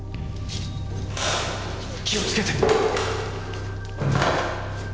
気をつけて。